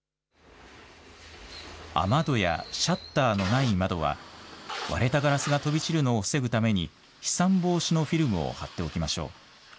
雨戸やシャッターのない窓は割れたガラスが飛び散るのを防ぐために飛散防止のフィルムを貼っておきましょう。